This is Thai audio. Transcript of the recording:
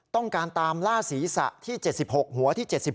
ต้องการตามล่าศีรษะที่๗๖หัวที่๗๑